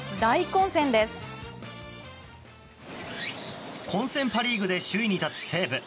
混戦パ・リーグで首位に立つ西武。